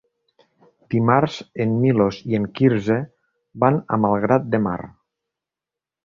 Dimarts en Milos i en Quirze van a Malgrat de Mar.